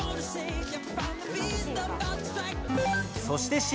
そして。